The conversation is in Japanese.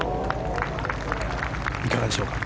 いかがでしょうか。